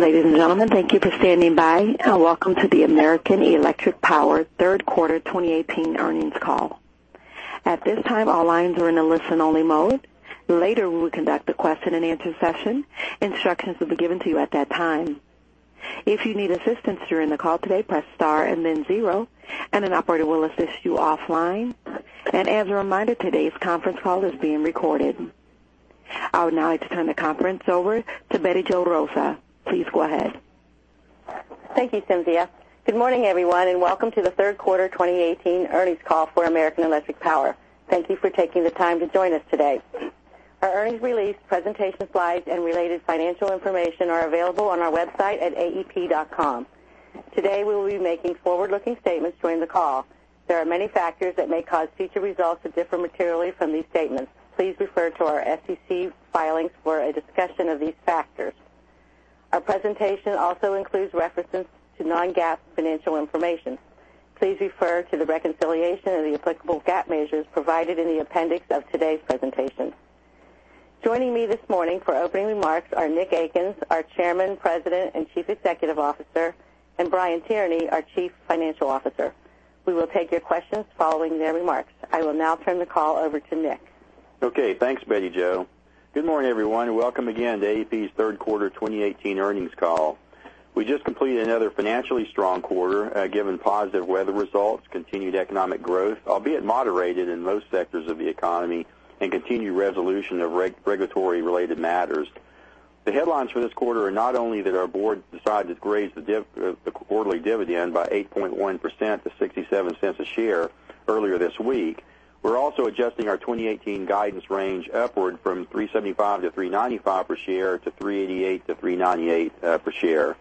Ladies and gentlemen, thank you for standing by, and welcome to the American Electric Power third quarter 2018 earnings call. At this time, all lines are in a listen-only mode. Later, we will conduct a question-and-answer session. Instructions will be given to you at that time. If you need assistance during the call today, press star and then zero, and an operator will assist you offline. As a reminder, today's conference call is being recorded. I would now like to turn the conference over to Bette Jo Rozsa. Please go ahead. Thank you, Cynthia. Good morning, everyone, welcome to the third quarter 2018 earnings call for American Electric Power. Thank you for taking the time to join us today. Our earnings release, presentation slides, and related financial information are available on our website at aep.com. Today, we will be making forward-looking statements during the call. There are many factors that may cause future results to differ materially from these statements. Please refer to our SEC filings for a discussion of these factors. Our presentation also includes references to non-GAAP financial information. Please refer to the reconciliation of the applicable GAAP measures provided in the appendix of today's presentation. Joining me this morning for opening remarks are Nick Akins, our Chairman, President, and Chief Executive Officer, and Brian Tierney, our Chief Financial Officer. We will take your questions following their remarks. I will now turn the call over to Nick. Okay. Thanks, Bette Jo. Good morning, everyone, welcome again to AEP's third quarter 2018 earnings call. We just completed another financially strong quarter, given positive weather results, continued economic growth, albeit moderated in most sectors of the economy, and continued resolution of regulatory-related matters. The headlines for this quarter are not only that our board decided to raise the quarterly dividend by 8.1% to $0.67 a share earlier this week, we're also adjusting our 2018 guidance range upward from $3.75-$3.95 per share to $3.88-$3.98 per share.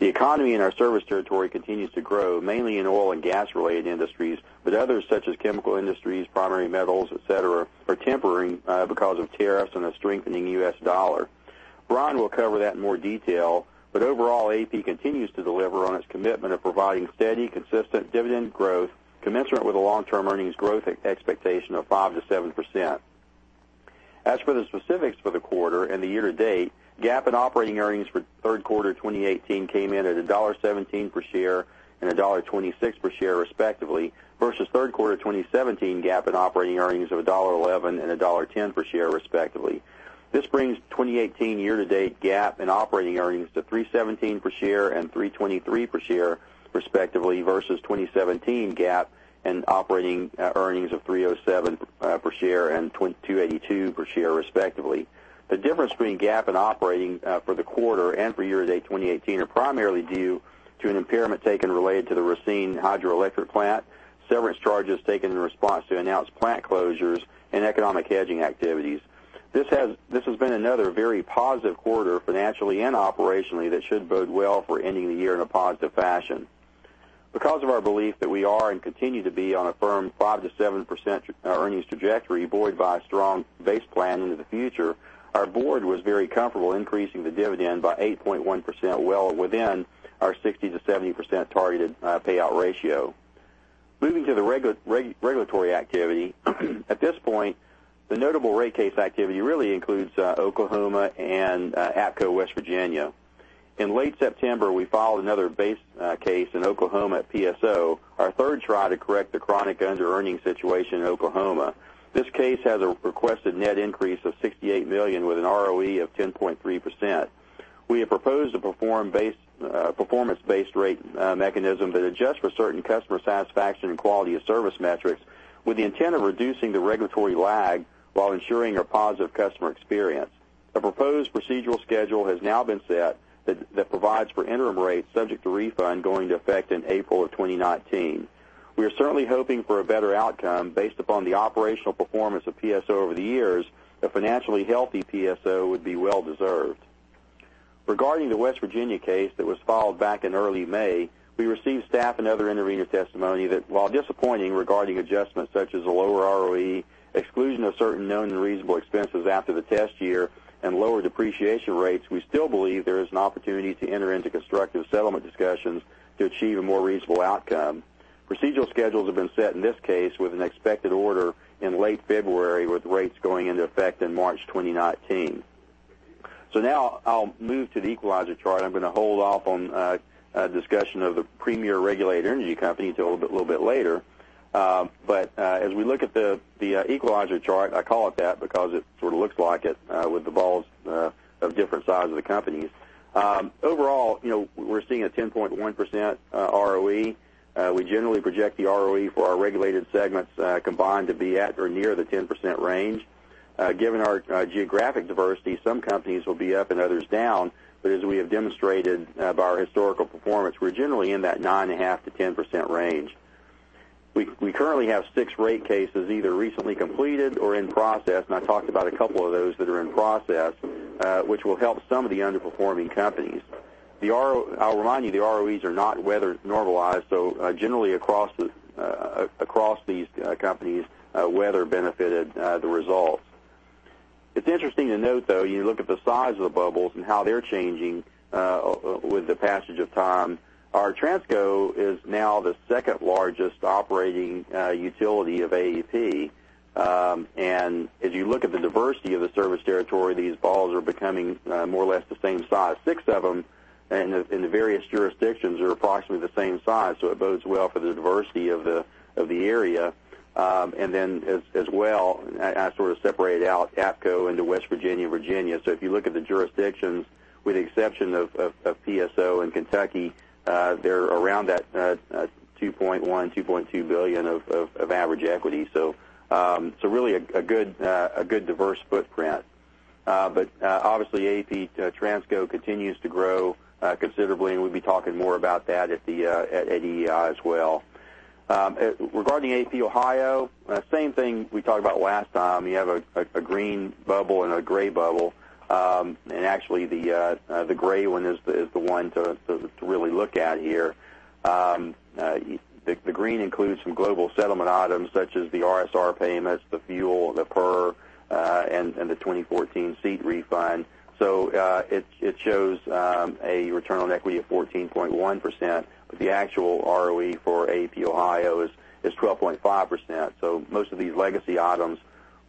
The economy in our service territory continues to grow, mainly in oil and gas-related industries, others, such as chemical industries, primary metals, et cetera, are tempering because of tariffs and a strengthening U.S. dollar. Brian will cover that in more detail. Overall, AEP continues to deliver on its commitment of providing steady, consistent dividend growth commensurate with a long-term earnings growth expectation of 5%-7%. As for the specifics for the quarter and the year to date, GAAP and operating earnings for third quarter 2018 came in at $1.17 per share and $1.26 per share, respectively, versus third quarter 2017 GAAP and operating earnings of $1.11 and $1.10 per share, respectively. This brings 2018 year-to-date GAAP and operating earnings to $3.17 per share and $3.23 per share, respectively, versus 2017 GAAP and operating earnings of $3.07 per share and $2.82 per share, respectively. The difference between GAAP and operating for the quarter and for year-to-date 2018 are primarily due to an impairment taken related to the Racine Hydroelectric Plant, severance charges taken in response to announced plant closures, and economic hedging activities. This has been another very positive quarter financially and operationally that should bode well for ending the year in a positive fashion. Because of our belief that we are and continue to be on a firm 5%-7% earnings trajectory buoyed by a strong base plan into the future, our board was very comfortable increasing the dividend by 8.1%, well within our 60%-70% targeted payout ratio. Moving to the regulatory activity. At this point, the notable rate case activity really includes Oklahoma and APCo West Virginia. In late September, we filed another base case in Oklahoma at PSO, our third try to correct the chronic underearning situation in Oklahoma. This case has a requested net increase of $68 million with an ROE of 10.3%. We have proposed a performance-based rate mechanism that adjusts for certain customer satisfaction and quality of service metrics with the intent of reducing the regulatory lag while ensuring a positive customer experience. A proposed procedural schedule has now been set that provides for interim rates subject to refund going to effect in April of 2019. We are certainly hoping for a better outcome based upon the operational performance of PSO over the years. A financially healthy PSO would be well-deserved. Regarding the West Virginia case that was filed back in early May, we received staff and other intervenor testimony that while disappointing regarding adjustments such as a lower ROE, exclusion of certain known and reasonable expenses after the test year, and lower depreciation rates, we still believe there is an opportunity to enter into constructive settlement discussions to achieve a more reasonable outcome. Procedural schedules have been set in this case with an expected order in late February, with rates going into effect in March 2019. Now I'll move to the equalizer chart. I'm going to hold off on a discussion of the premier regulated energy company until a little bit later. As we look at the equalizer chart, I call it that because it sort of looks like it with the balls of different size of the companies. Overall, we're seeing a 10.1% ROE. We generally project the ROE for our regulated segments combined to be at or near the 10% range. Given our geographic diversity, some companies will be up and others down, but as we have demonstrated by our historical performance, we're generally in that 9.5%-10% range. We currently have six rate cases either recently completed or in process, and I talked about a couple of those that are in process, which will help some of the underperforming companies. I'll remind you, the ROEs are not weather normalized, so generally across these companies, weather benefited the results. It's interesting to note, though, you look at the size of the bubbles and how they're changing with the passage of time. Our Transco is now the second-largest operating utility of AEP. As you look at the diversity of the service territory, these balls are becoming more or less the same size, six of them. The various jurisdictions are approximately the same size, so it bodes well for the diversity of the area. Then as well, I separated out APCo into West Virginia and Virginia. If you look at the jurisdictions, with the exception of PSO in Kentucky, they're around that $2.1 billion, $2.2 billion of average equity. Really a good diverse footprint. AEP Transco continues to grow considerably, and we'll be talking more about that at EEI as well. Regarding AEP Ohio, same thing we talked about last time. You have a green bubble and a gray bubble. Actually, the gray one is the one to really look at here. The green includes some global settlement items such as the RSR payments, the fuel, the PIRR, and the 2014 SEET refund. It shows a return on equity of 14.1%, but the actual ROE for AEP Ohio is 12.5%. Most of these legacy items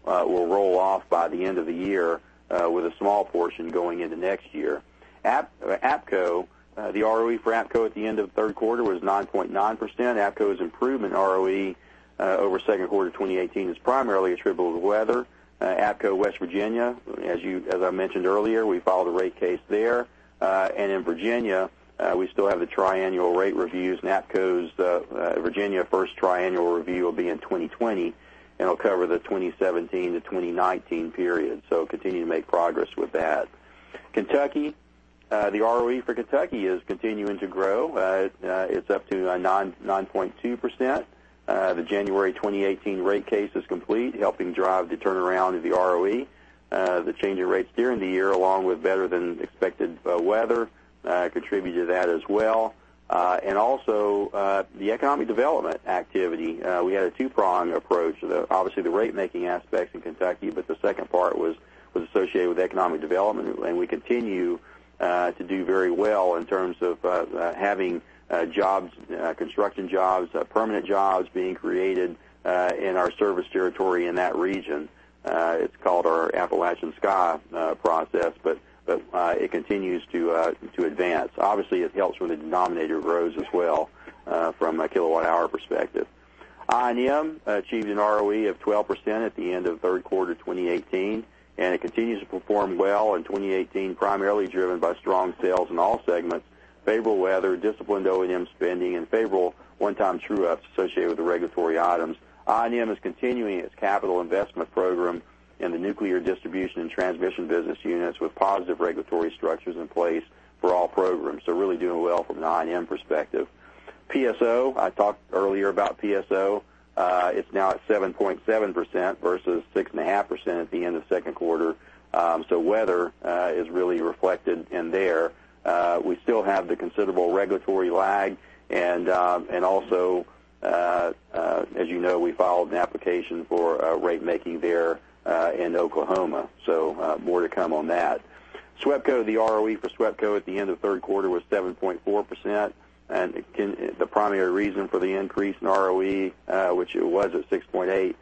will roll off by the end of the year, with a small portion going into next year. APCo, the ROE for APCo at the end of the third quarter was 9.9%. APCo's improvement in ROE over second quarter 2018 is primarily attributable to weather. APCo West Virginia, as I mentioned earlier, we followed a rate case there. In Virginia, we still have the tri-annual rate reviews, and APCo's Virginia first tri-annual review will be in 2020, and it'll cover the 2017-2019 period. Continuing to make progress with that. Kentucky, the ROE for Kentucky is continuing to grow. It's up to 9.2%. The January 2018 rate case is complete, helping drive the turnaround of the ROE. The change in rates during the year, along with better-than-expected weather, contribute to that as well. Also, the economic development activity. We had a two-pronged approach. Obviously, the rate-making aspects in Kentucky, but the second part was associated with economic development. We continue to do very well in terms of having construction jobs, permanent jobs being created in our service territory in that region. It's called our Appalachian Sky process, but it continues to advance. Obviously, it helps when the denominator grows as well from a kilowatt-hour perspective. I&M achieved an ROE of 12% at the end of third quarter 2018, and it continues to perform well in 2018, primarily driven by strong sales in all segments, favorable weather, disciplined O&M spending, and favorable one-time true-ups associated with the regulatory items. I&M is continuing its capital investment program in the nuclear distribution and transmission business units with positive regulatory structures in place for all programs. Really doing well from an I&M perspective. PSO, I talked earlier about PSO. It's now at 7.7% versus 6.5% at the end of second quarter. We still have the considerable regulatory lag, and also, as you know, we filed an application for rate making there in Oklahoma. More to come on that. SWEPCO, the ROE for SWEPCO at the end of third quarter was 7.4%, and the primary reason for the increase in ROE, which it was at 6.8%,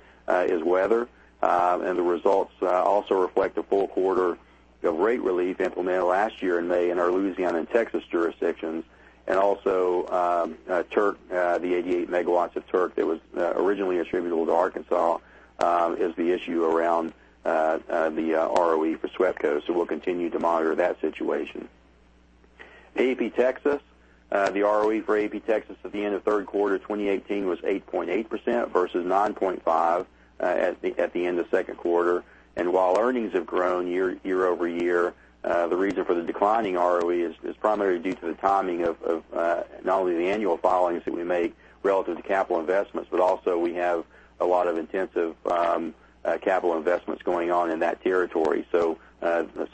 is weather. The results also reflect a full quarter of rate relief implemented last year in May in our Louisiana and Texas jurisdictions. Also, Turk, the 88 megawatts of Turk that was originally attributable to Arkansas is the issue around the ROE for SWEPCO. We'll continue to monitor that situation. AEP Texas, the ROE for AEP Texas at the end of third quarter 2018 was 8.8% versus 9.5% at the end of second quarter. While earnings have grown year-over-year, the reason for the declining ROE is primarily due to the timing of not only the annual filings that we make relative to capital investments, but also we have a lot of intensive capital investments going on in that territory.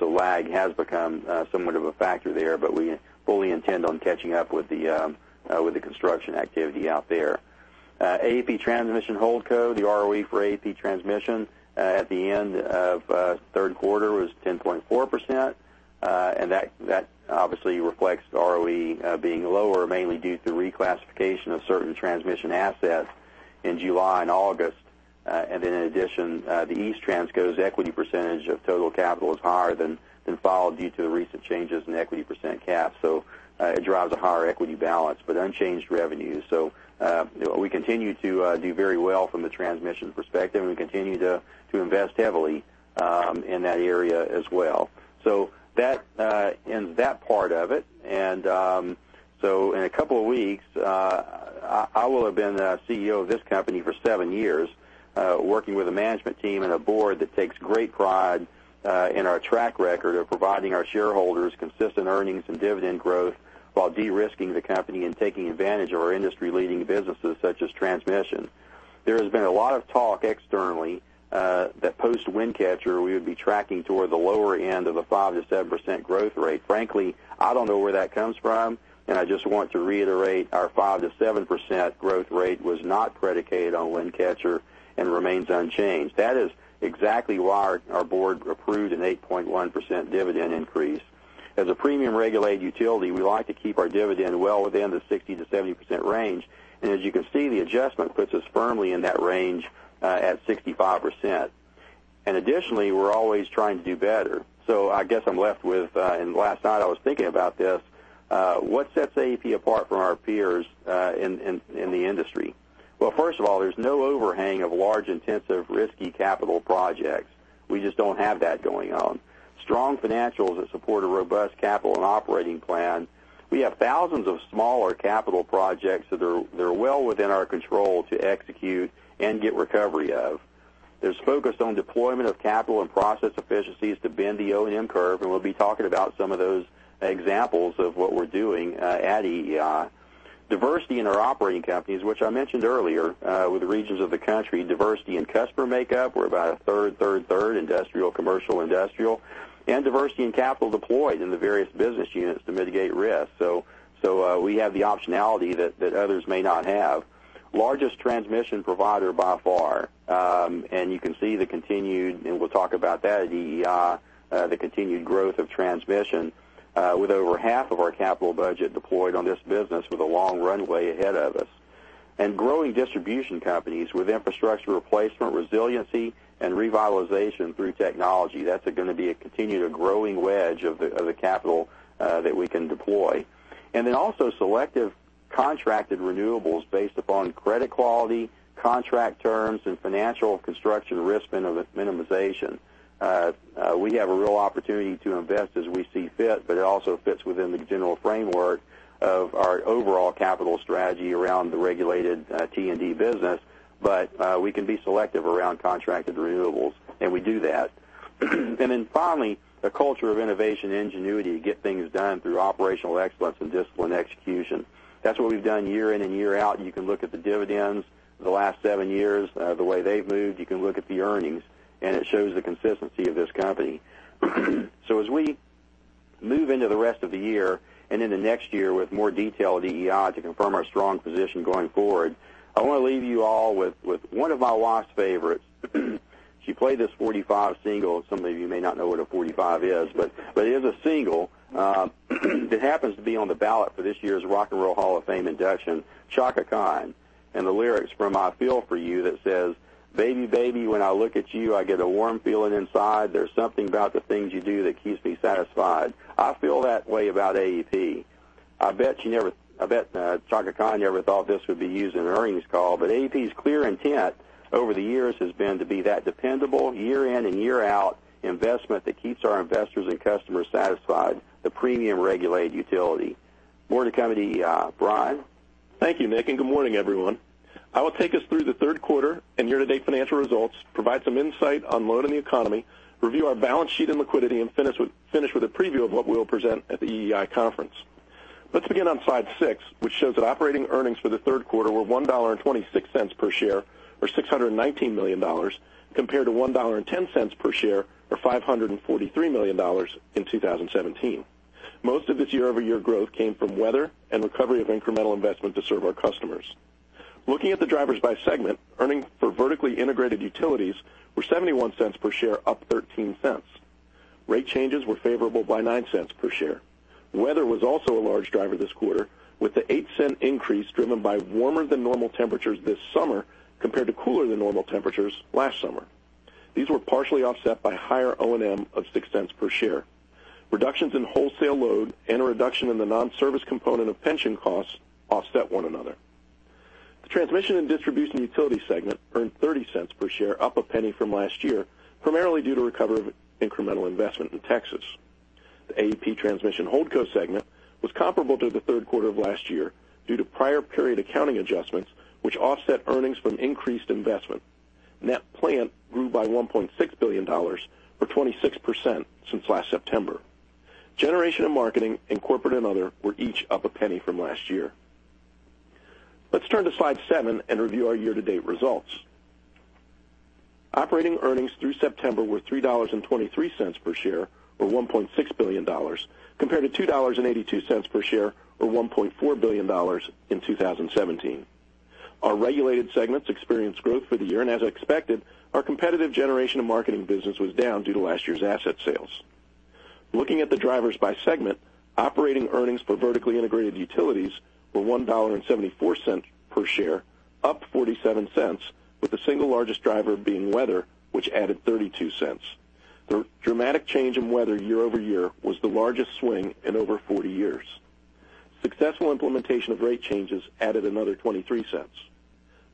Lag has become somewhat of a factor there, but we fully intend on catching up with the construction activity out there. AEP Transmission Holdco, the ROE for AEP Transmission at the end of third quarter was 10.4%, and that obviously reflects the ROE being lower, mainly due to reclassification of certain transmission assets in July and August. In addition, the East Transco's equity % of total capital is higher than followed due to the recent changes in equity % cap. It drives a higher equity balance but unchanged revenue. We continue to do very well from the transmission perspective and continue to invest heavily in that area as well. In a couple of weeks, I will have been CEO of this company for seven years working with a management team and a board that takes great pride in our track record of providing our shareholders consistent earnings and dividend growth while de-risking the company and taking advantage of our industry-leading businesses such as transmission. There has been a lot of talk externally that post Wind Catcher, we would be tracking toward the lower end of a 5%-7% growth rate. Frankly, I don't know where that comes from, and I just want to reiterate our 5%-7% growth rate was not predicated on Wind Catcher and remains unchanged. That is exactly why our board approved an 8.1% dividend increase. As a premium-regulated utility, we like to keep our dividend well within the 60%-70% range. As you can see, the adjustment puts us firmly in that range at 65%. Additionally, we're always trying to do better. I guess I'm left with, and last night I was thinking about this, what sets AEP apart from our peers in the industry? Well, first of all, there's no overhang of large, intensive, risky capital projects. We just don't have that going on. Strong financials that support a robust capital and operating plan. We have thousands of smaller capital projects, so they're well within our control to execute and get recovery of. There's focus on deployment of capital and process efficiencies to bend the O&M curve, and we'll be talking about some of those examples of what we're doing at EEI. Diversity in our operating companies, which I mentioned earlier, with the regions of the country, diversity in customer makeup. We're about a third, third industrial, commercial, industrial. Diversity in capital deployed in the various business units to mitigate risk. We have the optionality that others may not have. Largest transmission provider by far. You can see the continued, and we'll talk about that at EEI, the continued growth of transmission, with over half of our capital budget deployed on this business with a long runway ahead of us. Growing distribution companies with infrastructure replacement resiliency and revitalization through technology. That's going to be a continued growing wedge of the capital that we can deploy. Also selective contracted renewables based upon credit quality, contract terms, and financial construction risk minimization. We have a real opportunity to invest as we see fit, it also fits within the general framework of our overall capital strategy around the regulated T&D business. We can be selective around contracted renewables, and we do that. Finally, a culture of innovation and ingenuity to get things done through operational excellence and disciplined execution. That's what we've done year in and year out, and you can look at the dividends the last seven years, the way they've moved. You can look at the earnings, and it shows the consistency of this company. As we move into the rest of the year and into next year with more detail at EEI to confirm our strong position going forward, I want to leave you all with one of my wife's favorites. She played this 45 single. Some of you may not know what a 45 is, but it is a single. It happens to be on the ballot for this year's Rock and Roll Hall of Fame induction, Chaka Khan, and the lyrics from "I Feel for You" that says, "Baby, baby, when I look at you, I get a warm feeling inside. There's something about the things you do that keeps me satisfied." I feel that way about AEP. I bet Chaka Khan never thought this would be used in an earnings call, AEP's clear intent over the years has been to be that dependable, year in and year out investment that keeps our investors and customers satisfied, the premium regulated utility. More to come at EEI. Brian? Thank you, Nick, and good morning, everyone. I will take us through the third quarter and year-to-date financial results, provide some insight on load in the economy, review our balance sheet and liquidity, and finish with a preview of what we'll present at the EEI conference. Let's begin on slide six, which shows that operating earnings for the third quarter were $1.26 per share, or $619 million, compared to $1.10 per share, or $543 million in 2017. Most of this year-over-year growth came from weather and recovery of incremental investment to serve our customers. Looking at the drivers by segment, earnings for vertically integrated utilities were $0.71 per share, up $0.13. Rate changes were favorable by $0.09 per share. Weather was also a large driver this quarter, with the $0.08 increase driven by warmer than normal temperatures this summer compared to cooler than normal temperatures last summer. These were partially offset by higher O&M of $0.06 per share. Reductions in wholesale load and a reduction in the non-service component of pension costs offset one another. The Transmission and Distribution Utility Segment earned $0.30 per share, up $0.01 from last year, primarily due to recovery of incremental investment in Texas. The AEP Transmission Holdco segment was comparable to the third quarter of last year due to prior period accounting adjustments, which offset earnings from increased investment. Net plant grew by $1.6 billion, or 26% since last September. Generation and Marketing and Corporate and Other were each up $0.01 from last year. Let's turn to slide seven and review our year-to-date results. Operating earnings through September were $3.23 per share, or $1.6 billion, compared to $2.82 per share, or $1.4 billion in 2017. Our regulated segments experienced growth for the year, as expected, our competitive Generation and Marketing business was down due to last year's asset sales. Looking at the drivers by segment, operating earnings for vertically integrated utilities were $1.74 per share, up $0.47, with the single largest driver being weather, which added $0.32. The dramatic change in weather year-over-year was the largest swing in over 40 years. Successful implementation of rate changes added another $0.23.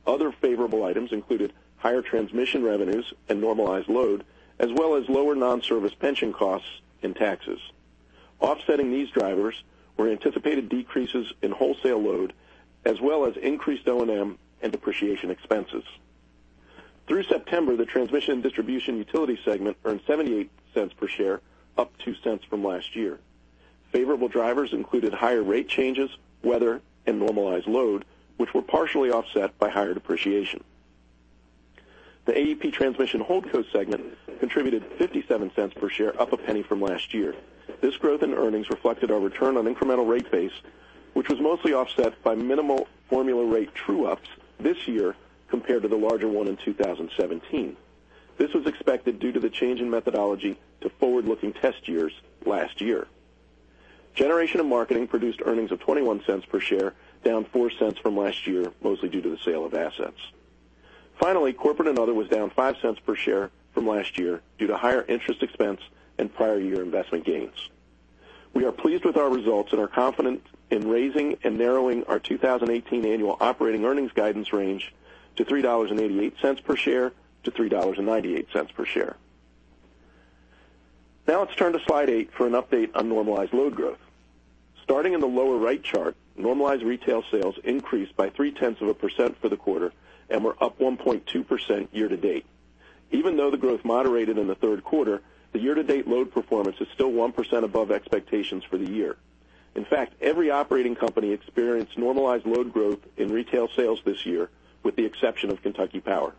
Other favorable items included higher transmission revenues and normalized load, as well as lower non-service pension costs and taxes. Offsetting these drivers were anticipated decreases in wholesale load, as well as increased O&M and depreciation expenses. Through September, the Transmission and Distribution Utility Segment earned $0.78 per share, up $0.02 from last year. Favorable drivers included higher rate changes, weather, and normalized load, which were partially offset by higher depreciation. The AEP Transmission Holdco segment contributed $0.57 per share, up $0.01 from last year. This growth in earnings reflected our return on incremental rate base, which was mostly offset by minimal formula rate true-ups this year compared to the larger one in 2017. This was expected due to the change in methodology to forward-looking test years last year. Generation and Marketing produced earnings of $0.21 per share, down $0.04 from last year, mostly due to the sale of assets. Finally, Corporate and Other was down $0.05 per share from last year due to higher interest expense and prior year investment gains. We are pleased with our results and are confident in raising and narrowing our 2018 annual operating earnings guidance range to $3.88 per share to $3.98 per share. Now let's turn to slide eight for an update on normalized load growth. Starting in the lower right chart, normalized retail sales increased by 0.3% for the quarter and were up 1.2% year-to-date. Even though the growth moderated in the third quarter, the year-to-date load performance is still 1% above expectations for the year. In fact, every operating company experienced normalized load growth in retail sales this year, with the exception of Kentucky Power.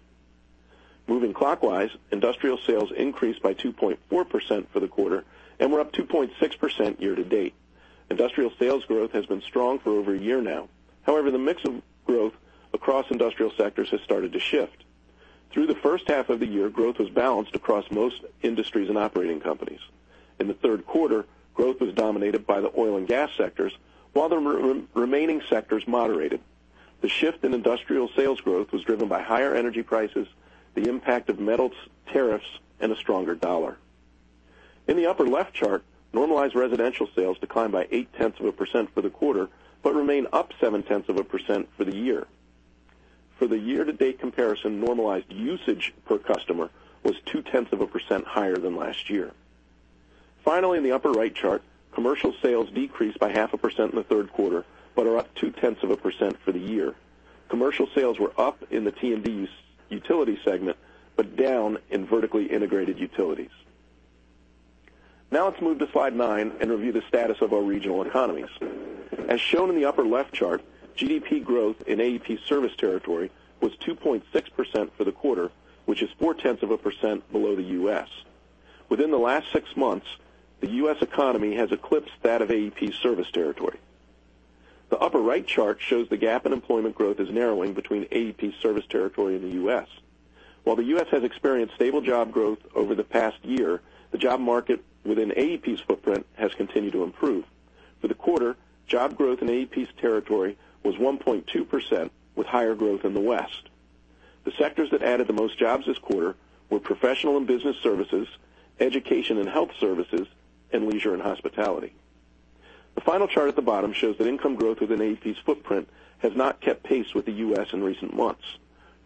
Moving clockwise, industrial sales increased by 2.4% for the quarter and were up 2.6% year-to-date. Industrial sales growth has been strong for over a year now. However, the mix of growth across industrial sectors has started to shift. Through the first half of the year, growth was balanced across most industries and operating companies. In the third quarter, growth was dominated by the oil and gas sectors, while the remaining sectors moderated. The shift in industrial sales growth was driven by higher energy prices, the impact of metals tariffs, and a stronger dollar. In the upper left chart, normalized residential sales declined by 0.8% for the quarter, but remain up 0.7% for the year. For the year-to-date comparison, normalized usage per customer was 0.2% higher than last year. Finally, in the upper right chart, commercial sales decreased by 0.5% in the third quarter, but are up 0.2% for the year. Commercial sales were up in the T&D utility segment, but down in vertically integrated utilities. Let's move to slide nine and review the status of our regional economies. As shown in the upper left chart, GDP growth in AEP's service territory was 2.6% for the quarter, which is 0.4% below the U.S. Within the last six months, the U.S. economy has eclipsed that of AEP's service territory. The upper right chart shows the gap in employment growth is narrowing between AEP's service territory and the U.S. While the U.S. has experienced stable job growth over the past year, the job market within AEP's footprint has continued to improve. For the quarter, job growth in AEP's territory was 1.2%, with higher growth in the West. The sectors that added the most jobs this quarter were professional and business services, education and health services, and leisure and hospitality. The final chart at the bottom shows that income growth within AEP's footprint has not kept pace with the U.S. in recent months.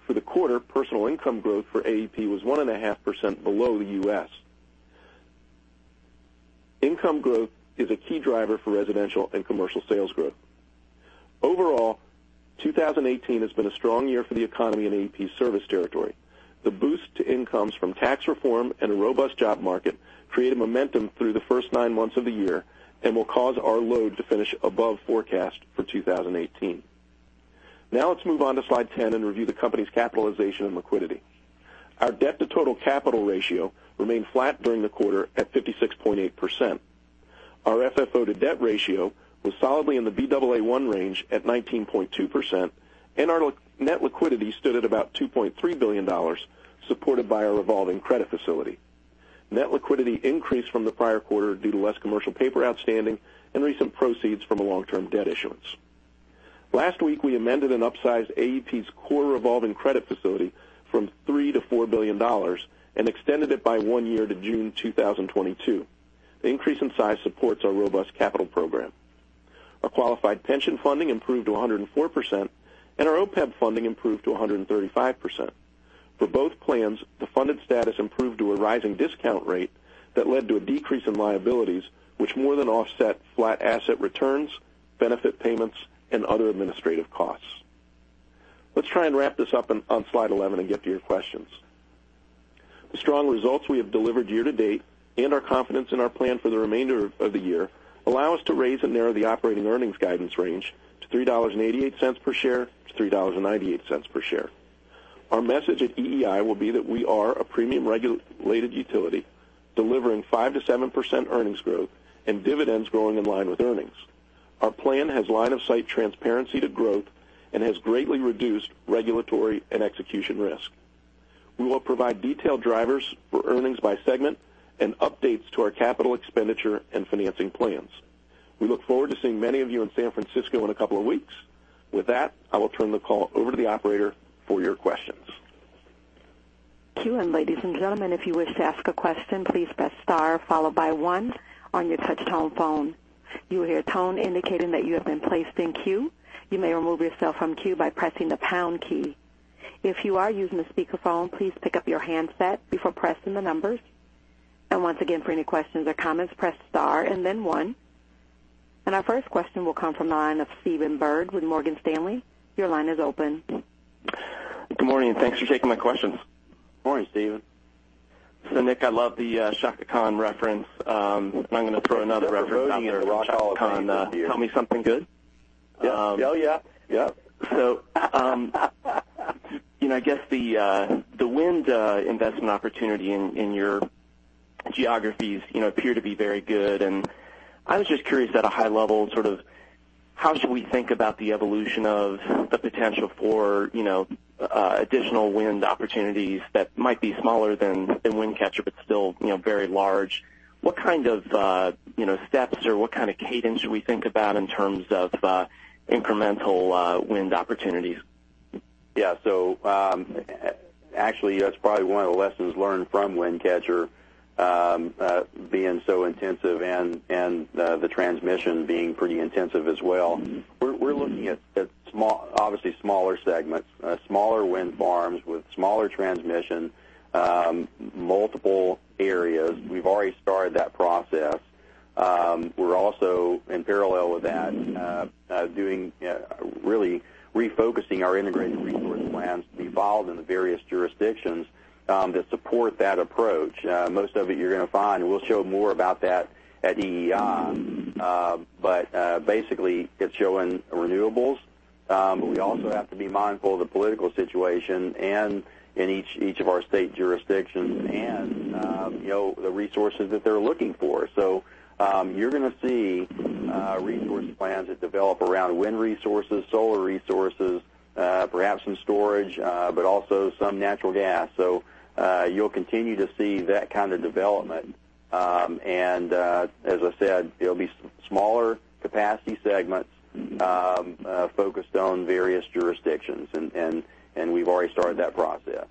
For the quarter, personal income growth for AEP was 1.5% below the U.S. Income growth is a key driver for residential and commercial sales growth. Overall, 2018 has been a strong year for the economy in AEP's service territory. The boost to incomes from tax reform and a robust job market created momentum through the first nine months of the year and will cause our load to finish above forecast for 2018. Let's move on to slide 10 and review the company's capitalization and liquidity. Our debt-to-total capital ratio remained flat during the quarter at 56.8%. Our FFO to debt ratio was solidly in the Baa1 range at 19.2%, and our net liquidity stood at about $2.3 billion, supported by our revolving credit facility. Net liquidity increased from the prior quarter due to less commercial paper outstanding and recent proceeds from a long-term debt issuance. Last week, we amended and upsized AEP's core revolving credit facility from $3 billion to $4 billion and extended it by one year to June 2022. The increase in size supports our robust capital program. Our qualified pension funding improved to 104%, and our OPEB funding improved to 135%. For both plans, the funded status improved to a rising discount rate that led to a decrease in liabilities, which more than offset flat asset returns, benefit payments, and other administrative costs. Let's try and wrap this up on slide 11 and get to your questions. The strong results we have delivered year-to-date and our confidence in our plan for the remainder of the year allow us to raise and narrow the operating earnings guidance range to $3.88 per share to $3.98 per share. Our message at EEI will be that we are a premium-regulated utility delivering 5%-7% earnings growth and dividends growing in line with earnings. Our plan has line-of-sight transparency to growth and has greatly reduced regulatory and execution risk. We will provide detailed drivers for earnings by segment and updates to our capital expenditure and financing plans. We look forward to seeing many of you in San Francisco in a couple of weeks. With that, I will turn the call over to the operator for your questions. Thank you. Ladies and gentlemen, if you wish to ask a question, please press star followed by one on your touch-tone phone. You will hear a tone indicating that you have been placed in queue. You may remove yourself from queue by pressing the pound key. If you are using a speakerphone, please pick up your handset before pressing the numbers. Once again, for any questions or comments, press star and then one. Our first question will come from the line of Stephen Byrd with Morgan Stanley. Your line is open. Good morning, thanks for taking my questions. Morning, Stephen. Nick, I love the Chaka Khan reference. I'm going to throw another reference out there. Chaka Khan, Tell Me Something Good. Oh, yeah. Yep. I guess the wind investment opportunity in your geographies appear to be very good, and I was just curious, at a high level, sort of. How should we think about the evolution of the potential for additional wind opportunities that might be smaller than in Wind Catcher, but still very large? What kind of steps, or what kind of cadence should we think about in terms of incremental wind opportunities? Actually, that's probably one of the lessons learned from Wind Catcher, being so intensive and the transmission being pretty intensive as well. We're looking at, obviously, smaller segments, smaller wind farms with smaller transmission, multiple areas. We've already started that process. We're also, in parallel. doing, really refocusing our integrated resource plans to be filed in the various jurisdictions to support that approach. Most of it you're going to find, and we'll show more about that at EEI. Basically, it's showing renewables. We also have to be mindful of the political situation and in each of our state jurisdictions and the resources that they're looking for. You're going to see resource plans that develop around wind resources, solar resources, perhaps some storage, but also some natural gas. You'll continue to see that kind of development. As I said, it'll be smaller capacity. focused on various jurisdictions. We've already started that process.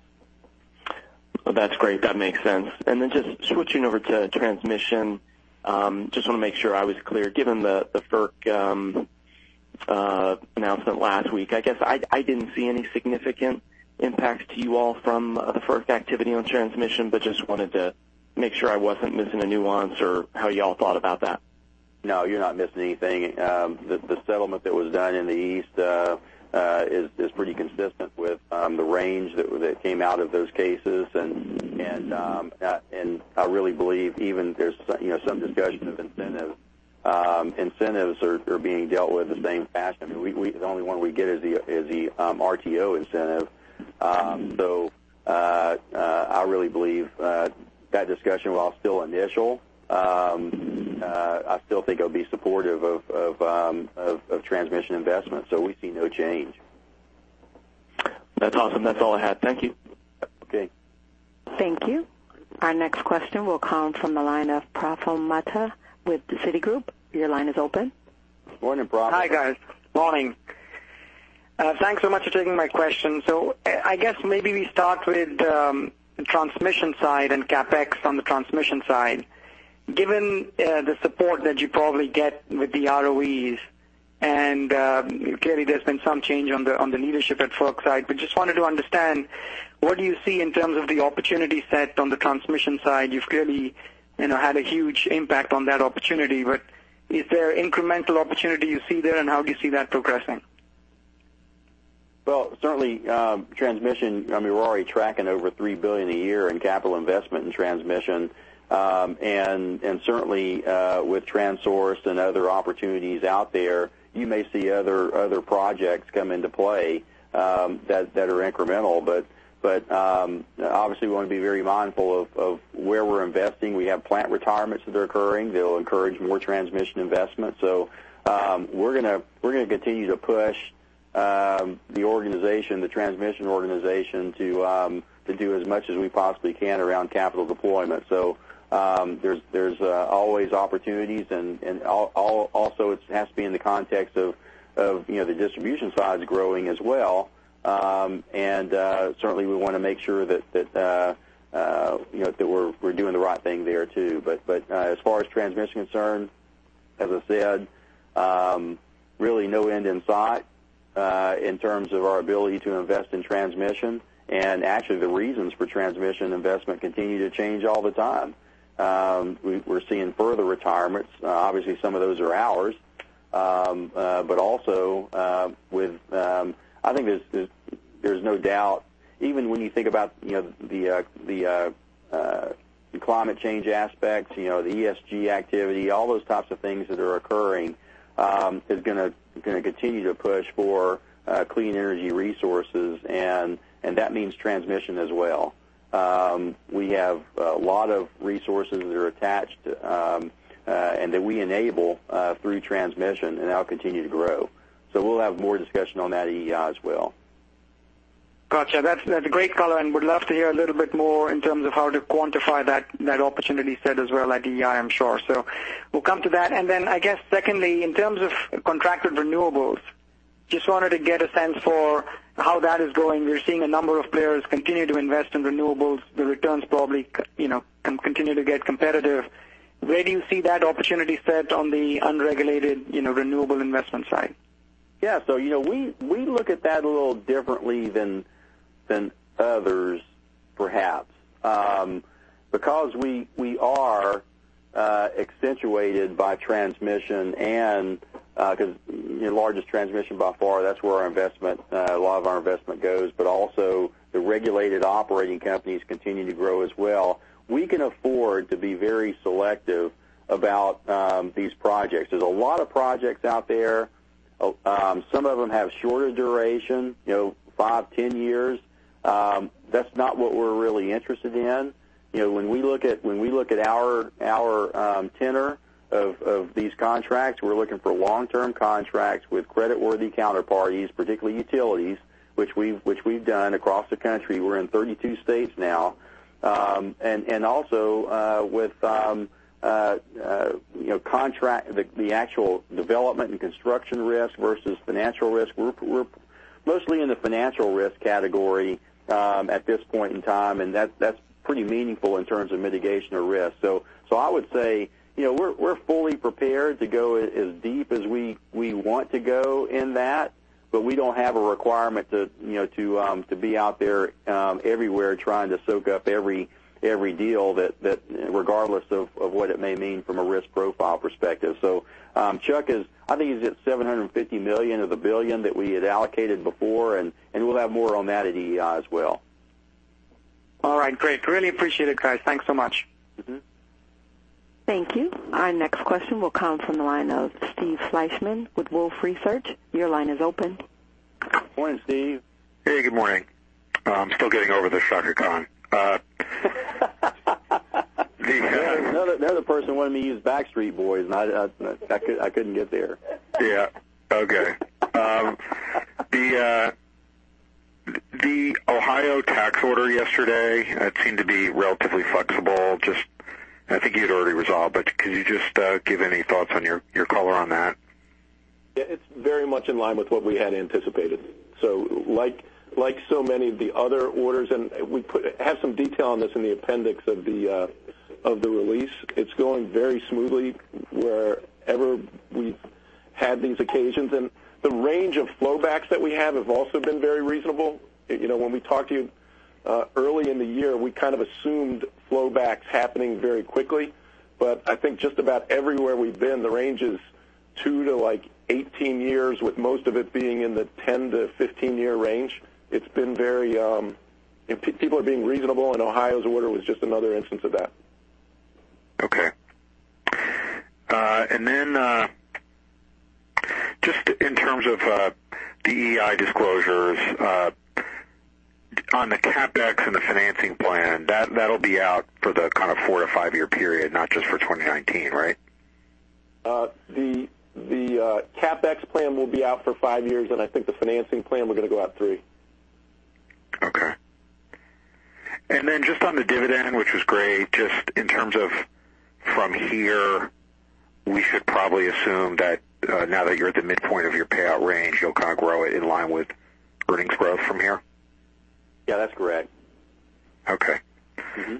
That's great. That makes sense. Just switching over to transmission, just want to make sure I was clear, given the FERC announcement last week. I guess I didn't see any significant impact to you all from the FERC activity on transmission, but just wanted to make sure I wasn't missing a nuance or how you all thought about that. No, you're not missing anything. The settlement that was done in the East is pretty consistent with the range that came out of those cases. I really believe even there's some discussion of incentives. Incentives are being dealt with the same fashion. The only one we get is the RTO incentive. I really believe that discussion, while still initial, I still think it'll be supportive of transmission investment. We see no change. That's awesome. That's all I had. Thank you. Okay. Thank you. Our next question will come from the line of Praful Mehta with Citigroup. Your line is open. Morning, Praful. Hi, guys. Morning. Thanks so much for taking my question. I guess maybe we start with the transmission side and CapEx on the transmission side. Given the support that you probably get with the ROEs, and clearly there's been some change on the leadership at FERC side, just wanted to understand, what do you see in terms of the opportunity set on the transmission side? You've clearly had a huge impact on that opportunity, is there incremental opportunity you see there, and how do you see that progressing? Well, certainly, transmission, we're already tracking over $3 billion a year in capital investment in transmission. Certainly, with Transource and other opportunities out there, you may see other projects come into play that are incremental. Obviously, we want to be very mindful of where we're investing. We have plant retirements that are occurring that'll encourage more transmission investment. We're going to continue to push the transmission organization to do as much as we possibly can around capital deployment. There's always opportunities, and also it has to be in the context of the distribution side growing as well. Certainly, we want to make sure that we're doing the right thing there, too. As far as transmission is concerned, as I said, really no end in sight, in terms of our ability to invest in transmission. Actually, the reasons for transmission investment continue to change all the time. We're seeing further retirements. Obviously, some of those are ours. Also, I think there's no doubt, even when you think about the climate change aspect, the ESG activity, all those types of things that are occurring, is going to continue to push for clean energy resources. That means transmission as well. We have a lot of resources that are attached, and that we enable through transmission and that'll continue to grow. We'll have more discussion on that at EEI as well. Got you. That's a great color, and would love to hear a little bit more in terms of how to quantify that opportunity set as well at EEI, I'm sure. We'll come to that. I guess secondly, in terms of contracted renewables, just wanted to get a sense for how that is going. We're seeing a number of players continue to invest in renewables. The returns probably can continue to get competitive. Where do you see that opportunity set on the unregulated renewable investment side? Yeah. We look at that a little differently than others, perhaps. Because we are accentuated by transmission and because we're the largest transmission by far. That's where a lot of our investment goes. Also, the regulated operating companies continue to grow as well. We can afford to be very selective about these projects. There's a lot of projects out there. Some of them have shorter duration, five, 10 years. That's not what we're really interested in. When we look at our tenor of these contracts, we're looking for long-term contracts with creditworthy counterparties, particularly utilities, which we've done across the country. We're in 32 states now. Also with the actual development and construction risk versus financial risk, we're mostly in the financial risk category at this point in time, and that's pretty meaningful in terms of mitigation of risk. I would say, we're fully prepared to go as deep as we want to go in that, but we don't have a requirement to be out there everywhere trying to soak up every deal regardless of what it may mean from a risk profile perspective. Chuck is, I think, he's at $750 million of the billion that we had allocated before, and we'll have more on that at EEI as well. All right, great. Really appreciate it, guys. Thanks so much. Thank you. Our next question will come from the line of Steve Fleishman with Wolfe Research. Your line is open. Morning, Steve. Hey, good morning. I'm still getting over the Chaka Khan. Another person wanted me to use Backstreet Boys, and I couldn't get there. The Ohio tax order yesterday, it seemed to be relatively flexible. I think you had already resolved, could you just give any thoughts on your color on that? It's very much in line with what we had anticipated. Like so many of the other orders, we have some detail on this in the appendix of the release. It's going very smoothly wherever we've had these occasions. The range of flowbacks that we have have also been very reasonable. When we talked to you early in the year, we kind of assumed flowbacks happening very quickly. I think just about everywhere we've been, the range is two to 18 years, with most of it being in the 10 to 15-year range. People are being reasonable, Ohio's order was just another instance of that. Just in terms of the EEI disclosures on the CapEx and the financing plan, that'll be out for the kind of four- to five-year period, not just for 2019, right? The CapEx plan will be out for five years, I think the financing plan, we're going to go out three. Okay. Then just on the dividend, which was great, just in terms of from here, we should probably assume that now that you're at the midpoint of your payout range, you'll kind of grow it in line with earnings growth from here? Yeah, that's correct. Okay.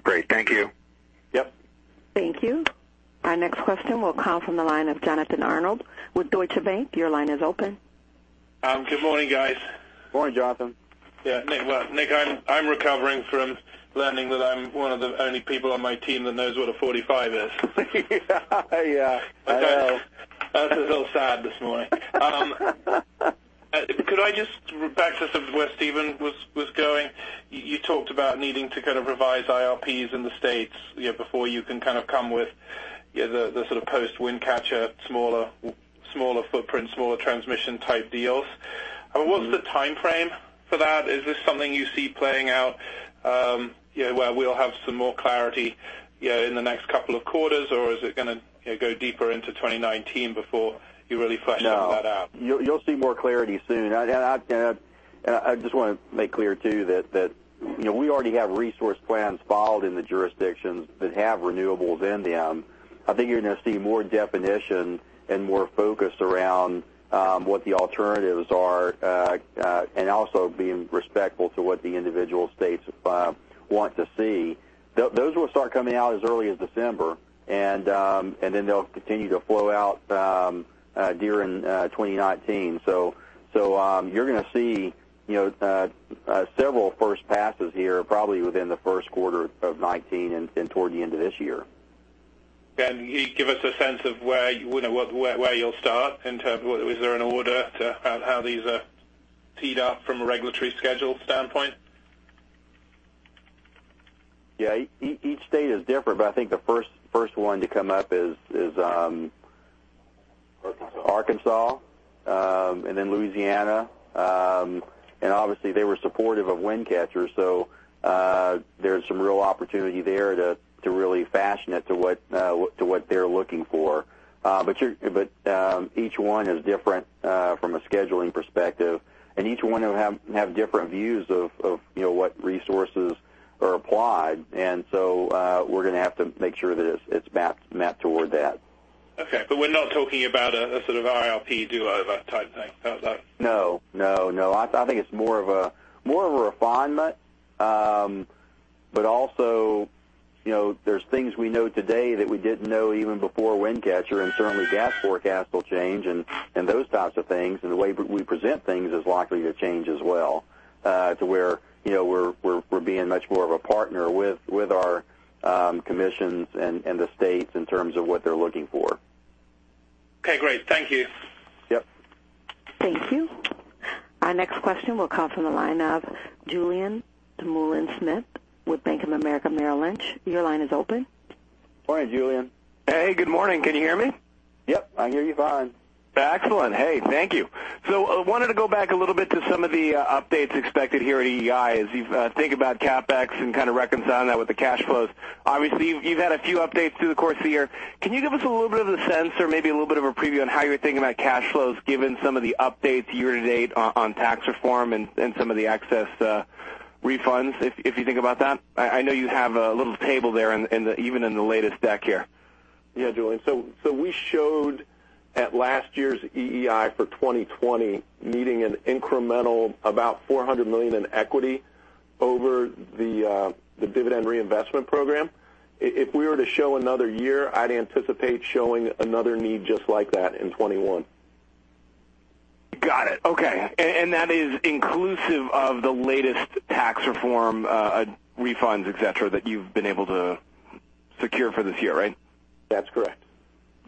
Great. Thank you. Yep. Thank you. Our next question will come from the line of Jonathan Arnold with Deutsche Bank. Your line is open. Good morning, guys. Morning, Jonathan. Yeah. Nick, I'm recovering from learning that I'm one of the only people on my team that knows what a 45 is. Yeah. I know. I was a little sad this morning. Back to where Stephen was going, you talked about needing to kind of revise IRPs in the states before you can kind of come with the sort of post-Wind Catcher, smaller footprint, smaller transmission-type deals. What's the timeframe for that? Is this something you see playing out where we'll have some more clarity in the next couple of quarters, or is it going to go deeper into 2019 before you really flesh that out? No. You'll see more clarity soon. I just want to make clear, too, that we already have resource plans filed in the jurisdictions that have renewables in them. I think you're going to see more definition and more focus around what the alternatives are, and also being respectful to what the individual states want to see. Those will start coming out as early as December, and then they'll continue to flow out during 2019. You're going to see several first passes here, probably within the first quarter of 2019 and then toward the end of this year. Can you give us a sense of where you'll start in terms of, is there an order to how these are teed up from a regulatory schedule standpoint? Yeah. Each state is different, I think the first one to come up is- Arkansas Arkansas, then Louisiana. Obviously they were supportive of Wind Catcher, there's some real opportunity there to really fashion it to what they're looking for. Each one is different from a scheduling perspective, and each one will have different views of what resources are applied. We're going to have to make sure that it's mapped toward that. Okay. We're not talking about a sort of IRP do-over type thing. How's that? No. I think it's more of a refinement. Also, there's things we know today that we didn't know even before Wind Catcher, certainly gas forecasts will change and those types of things, the way we present things is likely to change as well, to where we're being much more of a partner with our commissions and the states in terms of what they're looking for. Okay, great. Thank you. Yep. Thank you. Our next question will come from the line of Julien Dumoulin-Smith with Bank of America Merrill Lynch. Your line is open. Morning, Julien. Hey, good morning. Can you hear me? Yep. I hear you fine. I wanted to go back a little bit to some of the updates expected here at EEI as you think about CapEx and kind of reconcile that with the cash flows. Obviously, you've had a few updates through the course of the year. Can you give us a little bit of a sense or maybe a little bit of a preview on how you're thinking about cash flows, given some of the updates year-to-date on tax reform and some of the excess refunds, if you think about that? I know you have a little table there even in the latest deck here. Yeah, Julien. We showed at last year's EEI for 2020 needing an incremental about $400 million in equity over the dividend reinvestment program. If we were to show another year, I'd anticipate showing another need just like that in 2021. Got it. Okay. Yeah. That is inclusive of the latest tax reform refunds, et cetera, that you've been able to secure for this year, right? That's correct.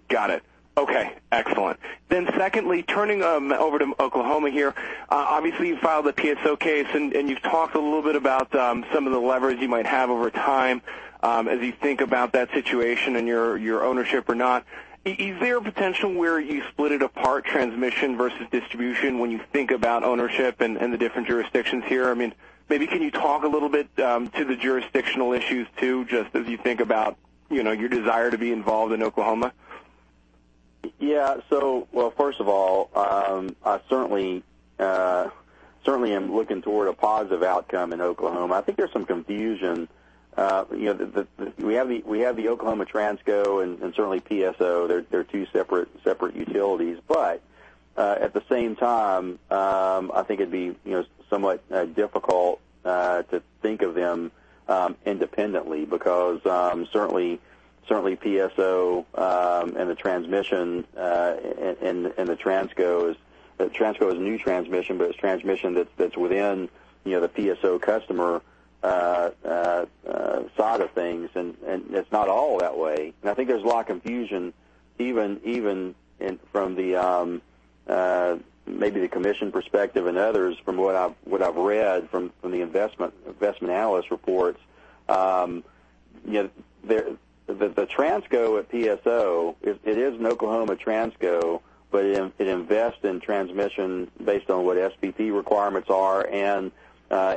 Got it. Okay, excellent. Secondly, turning over to Oklahoma here. Obviously, you filed a PSO case, and you've talked a little bit about some of the leverage you might have over time as you think about that situation and your ownership or not. Is there a potential where you split it apart, transmission versus distribution, when you think about ownership and the different jurisdictions here? Maybe can you talk a little bit to the jurisdictional issues too, just as you think about your desire to be involved in Oklahoma? Yeah. Well, first of all, I certainly am looking toward a positive outcome in Oklahoma. I think there's some confusion. We have the Oklahoma Transco and certainly PSO. They're two separate utilities. At the same time, I think it'd be somewhat difficult to think of them independently because certainly PSO and the transmission and the Transco. The Transco is a new transmission, but it's transmission that's within the PSO customer side of things, and it's not all that way. I think there's a lot of confusion, even from maybe the commission perspective and others from what I've read from the investment analyst reports. The Transco at PSO, it is an Oklahoma Transco, but it invests in transmission based on what SPP requirements are and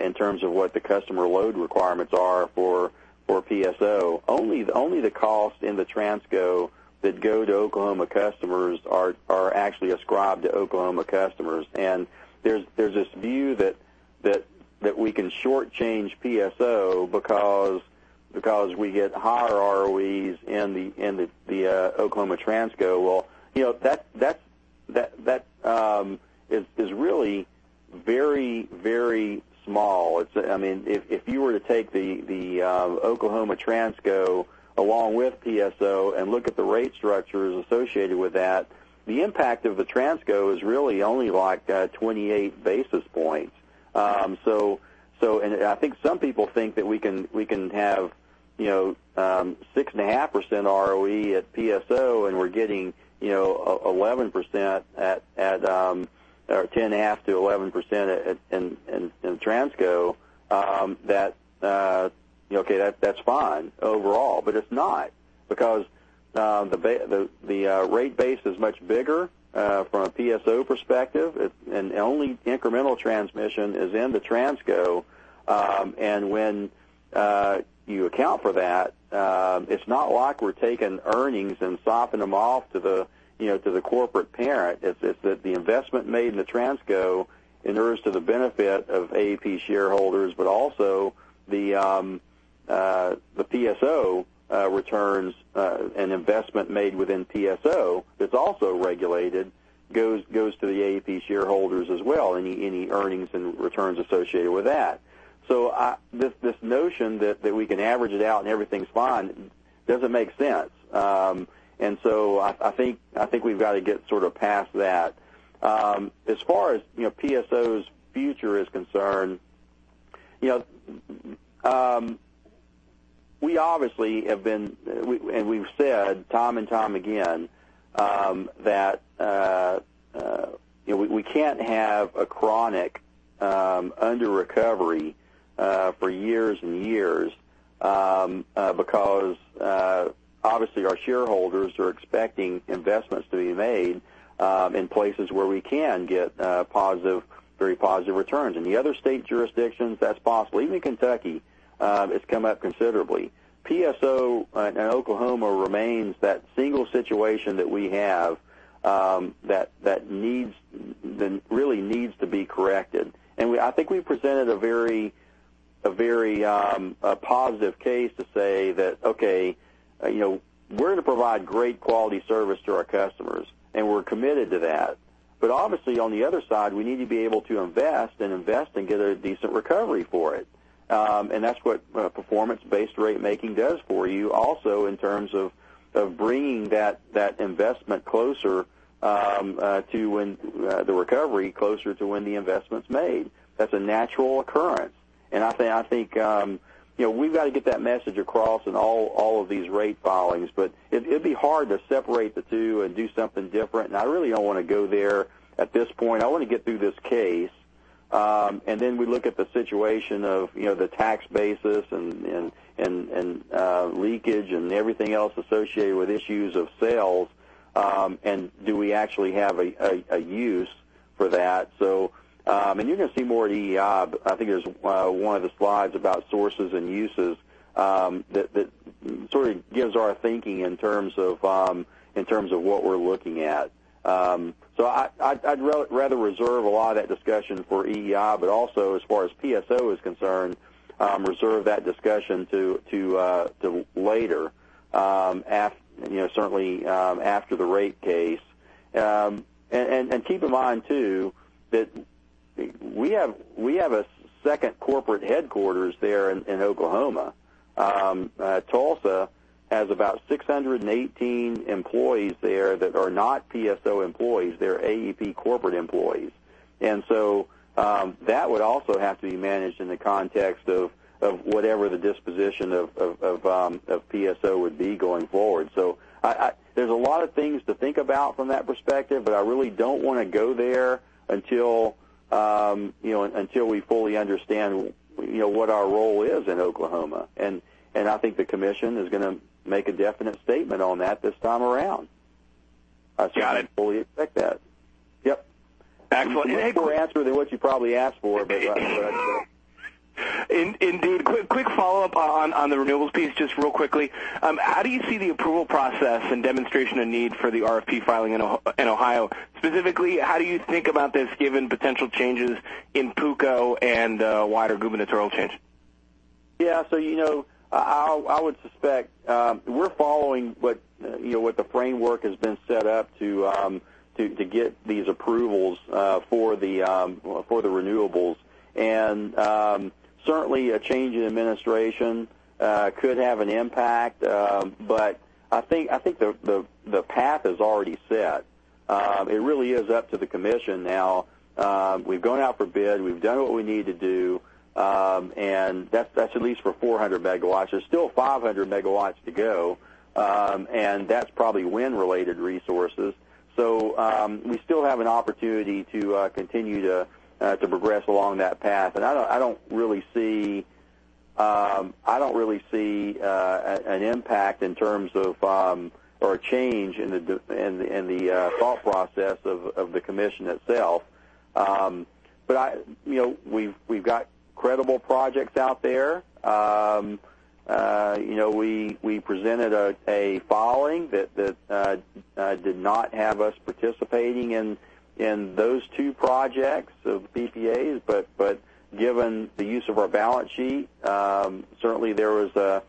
in terms of what the customer load requirements are for PSO. Only the cost in the Transco that go to Oklahoma customers are actually ascribed to Oklahoma customers. There's this view that we can shortchange PSO because we get higher ROEs in the Oklahoma Transco. Well, that is really very small. If you were to take the Oklahoma Transco along with PSO and look at the rate structures associated with that, the impact of the Transco is really only like 28 basis points. I think some people think that we can have 6.5% ROE at PSO and we're getting 10.5%-11% in Transco, that's fine overall, but it's not. The rate base is much bigger from a PSO perspective, and only incremental transmission is in the Transco. When you account for that, it's not like we're taking earnings and swapping them off to the corporate parent. It's that the investment made in the Transco inures to the benefit of AEP shareholders, also the PSO returns an investment made within PSO that's also regulated, goes to the AEP shareholders as well, any earnings and returns associated with that. This notion that we can average it out and everything's fine doesn't make sense. I think we've got to get sort of past that. As far as PSO's future is concerned, we obviously have been, and we've said time and time again, that we can't have a chronic under-recovery for years and years because obviously our shareholders are expecting investments to be made in places where we can get very positive returns. In the other state jurisdictions, that's possible. Even Kentucky has come up considerably. PSO and Oklahoma remains that single situation that we have that really needs to be corrected. I think we presented a very positive case to say that, okay, we're going to provide great quality service to our customers, and we're committed to that. Obviously, on the other side, we need to be able to invest and get a decent recovery for it. That's what performance-based rate making does for you also in terms of bringing that investment closer to when the recovery, closer to when the investment's made. That's a natural occurrence. I think we've got to get that message across in all of these rate filings, it'd be hard to separate the two and do something different. I really don't want to go there at this point. I want to get through this case. Then we look at the situation of the tax basis and leakage and everything else associated with issues of sales, and do we actually have a use for that? You're going to see more at EEI. I think there's one of the slides about sources and uses that gives our thinking in terms of what we're looking at. I'd rather reserve a lot of that discussion for EEI, also as far as PSO is concerned, reserve that discussion to later, certainly after the rate case. Keep in mind too, that we have a second corporate headquarters there in Oklahoma. Tulsa has about 618 employees there that are not PSO employees. They're AEP corporate employees. That would also have to be managed in the context of whatever the disposition of PSO would be going forward. There's a lot of things to think about from that perspective, but I really don't want to go there until we fully understand what our role is in Oklahoma. I think the commission is going to make a definite statement on that this time around. Got it. I fully expect that. Yep. Excellent. Maybe a poor answer than what you probably asked for. Indeed. Quick follow-up on the renewables piece, just real quickly. How do you see the approval process and demonstration and need for the RFP filing in Ohio? Specifically, how do you think about this given potential changes in PUCO and wider gubernatorial change? Yeah. I would suspect we're following what the framework has been set up to get these approvals for the renewables. Certainly a change in administration could have an impact. I think the path is already set. It really is up to the commission now. We've gone out for bid. We've done what we need to do. That's at least for 400 megawatts. There's still 500 megawatts to go. That's probably wind-related resources. We still have an opportunity to continue to progress along that path. I don't really see an impact in terms of, or a change in the thought process of the commission itself. We've got credible projects out there. We presented a filing that did not have us participating in those two projects of PPAs. Given the use of our balance sheet, certainly there was a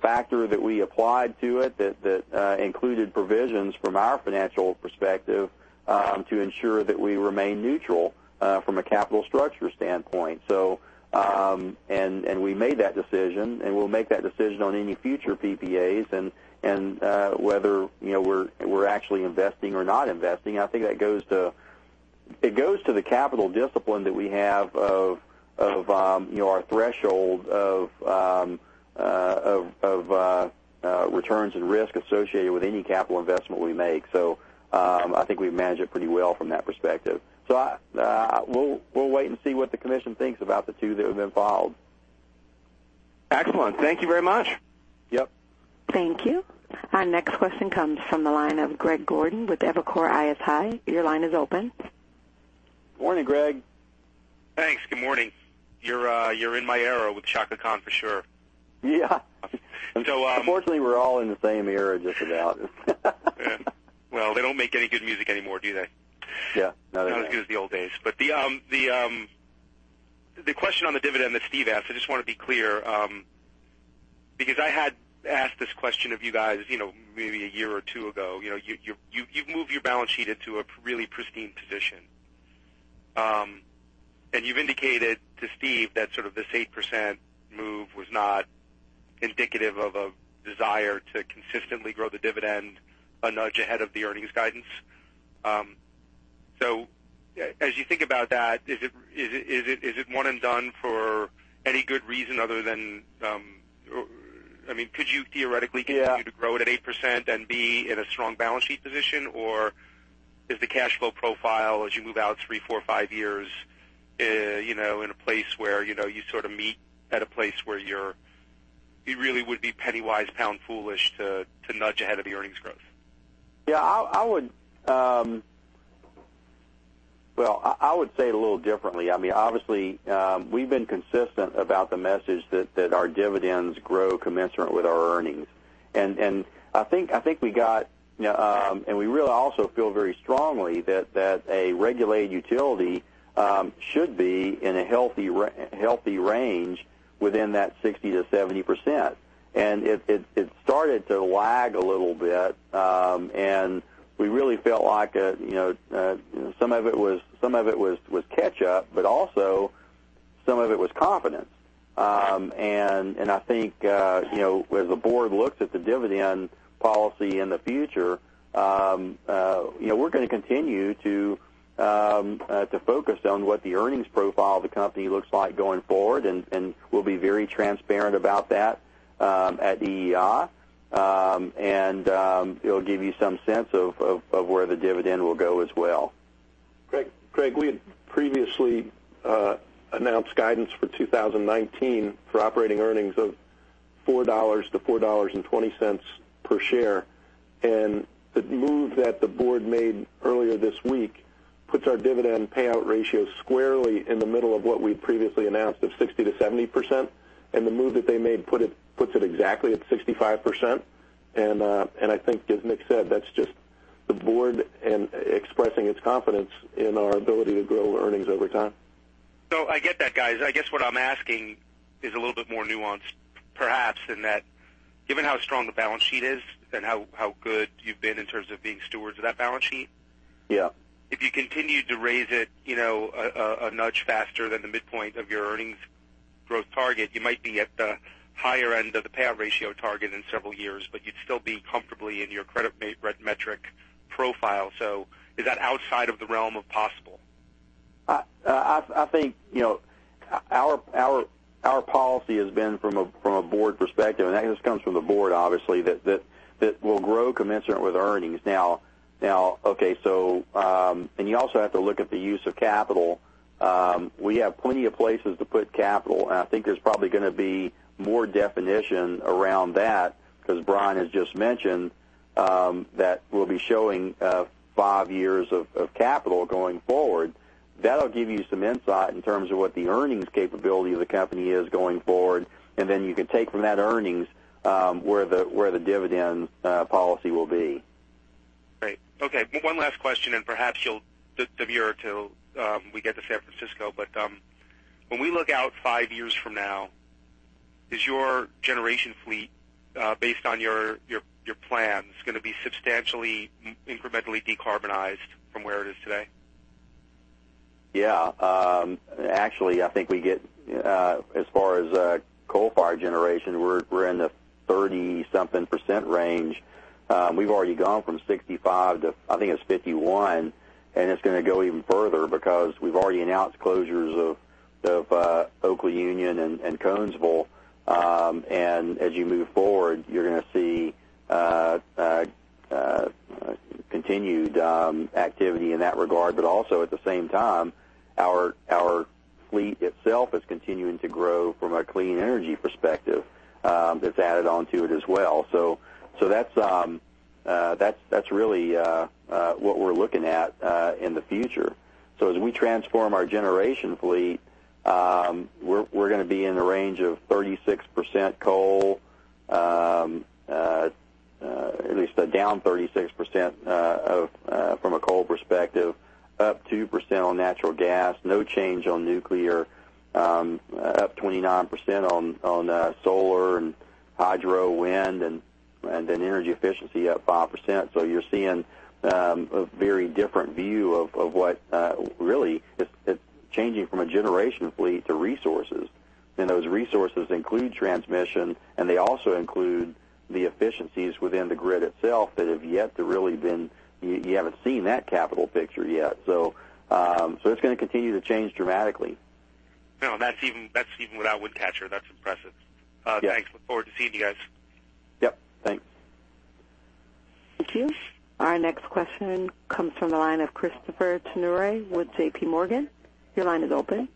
factor that we applied to it that included provisions from our financial perspective to ensure that we remain neutral from a capital structure standpoint. We made that decision, and we'll make that decision on any future PPAs and whether we're actually investing or not investing. I think it goes to the capital discipline that we have of our threshold of returns and risk associated with any capital investment we make. I think we've managed it pretty well from that perspective. We'll wait and see what the commission thinks about the two that have been filed. Excellent. Thank you very much. Yep. Thank you. Our next question comes from the line of Greg Gordon with Evercore ISI. Your line is open. Morning, Greg. Thanks. Good morning. You're in my era with Chaka Khan, for sure. Yeah. And so- Unfortunately, we're all in the same era, just about. Well, they don't make any good music anymore, do they? Yeah. No, they don't. Not as good as the old days. The question on the dividend that Steve asked, I just want to be clear, because I had asked this question of you guys maybe a year or two ago. You've moved your balance sheet into a really pristine position. You've indicated to Steve that sort of this 8% move was not indicative of a desire to consistently grow the dividend a nudge ahead of the earnings guidance. As you think about that, is it one and done for any good reason other than could you theoretically continue? Yeah to grow it at 8% and be in a strong balance sheet position? Or is the cash flow profile as you move out three, four, five years in a place where you sort of meet at a place where it really would be penny wise, pound foolish to nudge ahead of the earnings growth? Yeah. Well, I would say it a little differently. Obviously, we've been consistent about the message that our dividends grow commensurate with our earnings. We really also feel very strongly that a regulated utility should be in a healthy range within that 60%-70%. It started to lag a little bit. We really felt like some of it was catch up, but also some of it was confidence. I think when the board looks at the dividend policy in the future, we're going to continue to focus on what the earnings profile of the company looks like going forward, and we'll be very transparent about that at EEI. It'll give you some sense of where the dividend will go as well. Greg, we had previously announced guidance for 2019 for operating earnings of $4 to $4.20 per share. The move that the board made earlier this week puts our dividend payout ratio squarely in the middle of what we previously announced of 60%-70%. The move that they made puts it exactly at 65%. I think as Nick said, that's just the board expressing its confidence in our ability to grow earnings over time. No, I get that, guys. I guess what I'm asking is a little bit more nuanced, perhaps, in that given how strong the balance sheet is and how good you've been in terms of being stewards of that balance sheet. Yeah. If you continued to raise it a nudge faster than the midpoint of your earnings growth target, you might be at the higher end of the payout ratio target in several years, but you'd still be comfortably in your credit metric profile. Is that outside of the realm of possible? I think our policy has been from a board perspective, and that just comes from the board, obviously, that we'll grow commensurate with earnings. You also have to look at the use of capital. We have plenty of places to put capital, and I think there's probably going to be more definition around that because Brian has just mentioned that we'll be showing five years of capital going forward. That'll give you some insight in terms of what the earnings capability of the company is going forward. Then you can take from that earnings where the dividend policy will be. Great. Okay. One last question, perhaps you'll defer to we get to San Francisco. When we look out five years from now, is your generation fleet based on your plans going to be substantially incrementally decarbonized from where it is today? Yeah. Actually, I think we get as far as coal-fired generation, we're in the 30-something% range. We've already gone from 65% to, I think it's 51%, and it's going to go even further because we've already announced closures of Oklaunion and Conesville. As you move forward, you're going to see continued activity in that regard. Also at the same time, our fleet itself is continuing to grow from a clean energy perspective that's added onto it as well. That's really what we're looking at in the future. As we transform our generation fleet, we're going to be in the range of 36% coal, at least down 36% from a coal perspective, up 2% on natural gas, no change on nuclear, up 29% on solar and hydro, wind, and then energy efficiency up 5%. You're seeing a very different view of what really is changing from a generation fleet to resources. Those resources include transmission, and they also include the efficiencies within the grid itself that you haven't seen that capital picture yet. It's going to continue to change dramatically. No, that's even without Wind Catcher. That's impressive. Yeah. Thanks. Look forward to seeing you guys. Yep. Thanks. Thank you. Our next question comes from the line of Christopher Turnure with JP Morgan. Your line is open.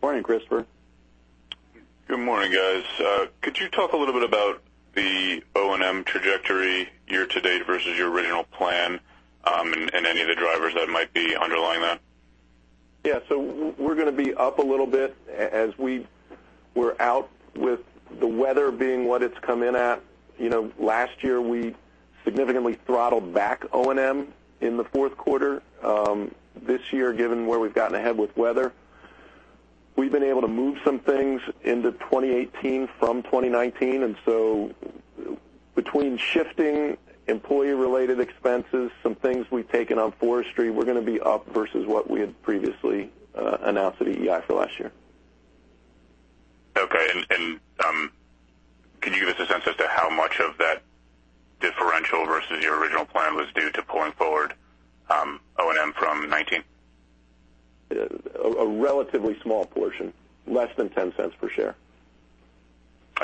Morning, Christopher. Good morning, guys. Could you talk a little bit about the O&M trajectory year-to-date versus your original plan and any of the drivers that might be underlying that? Yeah. We're going to be up a little bit as we were out with the weather being what it's come in at. Last year, we significantly throttled back O&M in the fourth quarter. This year, given where we've gotten ahead with weather, we've been able to move some things into 2018 from 2019. Between shifting employee-related expenses, some things we've taken on forestry, we're going to be up versus what we had previously announced at EEI for last year. Okay. Can you give us a sense as to how much of that differential versus your original plan was due to pulling forward O&M from 2019? A relatively small portion, less than $0.10 per share.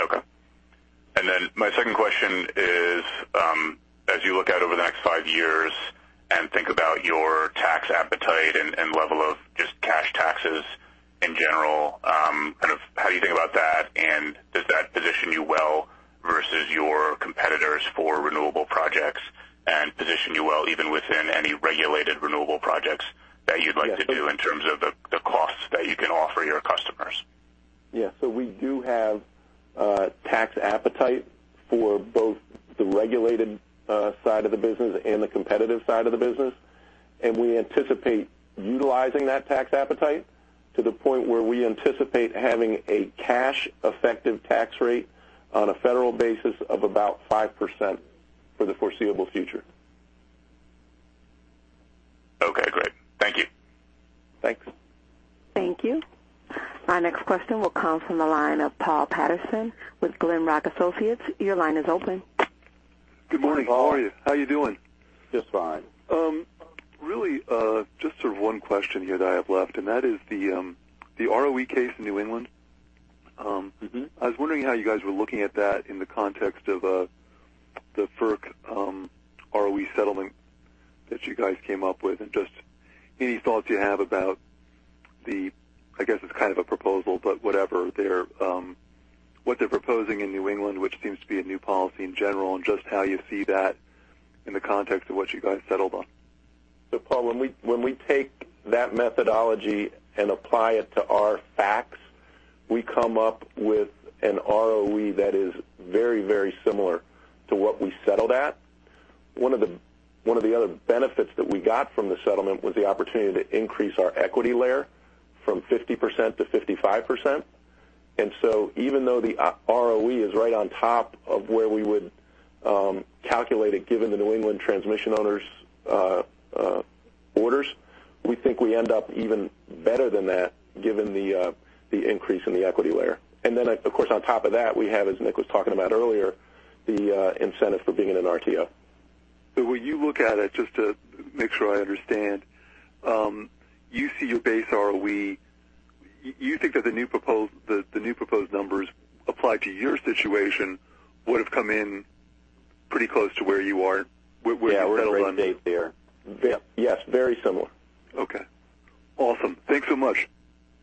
Okay. My second question is, as you look out over the next five years and think about your tax appetite and level of just cash taxes in general, how do you think about that? Does that position you well versus your competitors for renewable projects and position you well even within any regulated renewable projects that you'd like to do in terms of the costs that you can offer your customers? Yeah. We do have tax appetite for both the regulated side of the business and the competitive side of the business. We anticipate utilizing that tax appetite to the point where we anticipate having a cash effective tax rate on a federal basis of about 5% for the foreseeable future. Okay, great. Thank you. Thanks. Thank you. Our next question will come from the line of Paul Patterson with Glenrock Associates. Your line is open. Good morning, how are you? How are you doing? Just fine. Just one question here that I have left, and that is the ROE case in New England. I was wondering how you guys were looking at that in the context of the FERC ROE settlement that you guys came up with, just any thoughts you have about the, I guess it's kind of a proposal. What they're proposing in New England, which seems to be a new policy in general, just how you see that in the context of what you guys settled on. Paul, when we take that methodology and apply it to our facts, we come up with an ROE that is very, very similar to what we settled at. One of the other benefits that we got from the settlement was the opportunity to increase our equity layer from 50% to 55%. Even though the ROE is right on top of where we would calculate it, given the New England transmission owners' orders, we think we end up even better than that, given the increase in the equity layer. Of course, on top of that, we have, as Nick was talking about earlier, the incentive for being in an RTO. When you look at it, just to make sure I understand, you see your base ROE. You think that the new proposed numbers applied to your situation would've come in pretty close to where you are, where you settled on? Yeah, we're in the right state there. Yes, very similar. Okay. Awesome. Thanks so much.